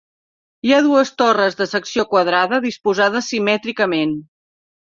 Hi ha dues torres de secció quadrada disposades simètricament.